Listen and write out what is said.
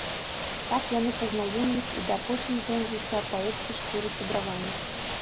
Так яны пазнаёміліся і да апошніх дзён жыцця паэткі шчыра сябравалі.